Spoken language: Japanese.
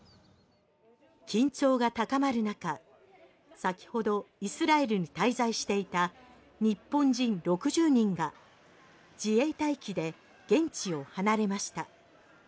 緊張が高まる中、先ほどイスラエルに滞在していた日本人６０人が自衛隊機で現地を離れました。